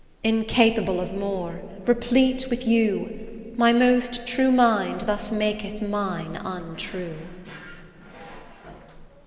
Incapable of more, replete with you, My most true mind thus maketh mine untrue.